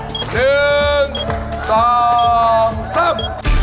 เอาคือเบอร์ท่าน